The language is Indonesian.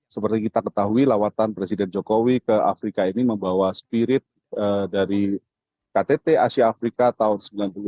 seperti kita ketahui lawatan presiden jokowi ke afrika ini membawa spirit dari ktt asia afrika tahun seribu sembilan ratus sembilan puluh delapan